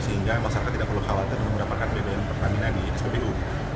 sehingga masyarakat tidak perlu khawatir dengan mendapatkan bbm pertamina di spbu